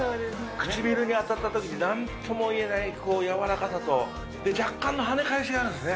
唇に当たったときに、なんともいえない柔らかさと、で、若干の跳ね返しがあるんですね。